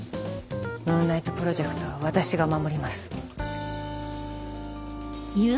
ムーンナイトプロジェクトは私が守ります。